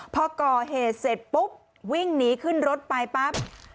พอก่อเหตุเสร็จปุ๊บวิ่งหนีขึ้นรถไปปั๊บ